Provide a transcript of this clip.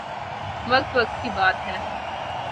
وقت وقت کی بات ہے